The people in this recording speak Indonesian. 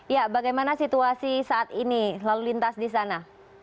ya bagaimana situasi saat ini lalu lintas di sana